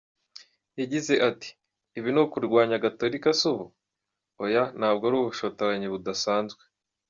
Yagize ati "Ibi ni ukurwanya Gatolika se ubu? Oya ntabwo ari ubushotoranyi budasanzwe.